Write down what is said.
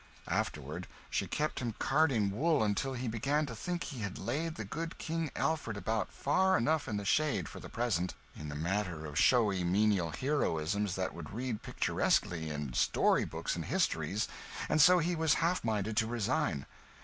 Afterwards she kept him carding wool until he began to think he had laid the good King Alfred about far enough in the shade for the present in the matter of showy menial heroisms that would read picturesquely in story books and histories, and so he was half minded to resign.